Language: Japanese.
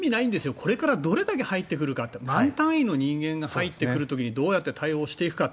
これからどれだけ入ってくるか万単位の人間が入ってくる時にどうやって対応していくか。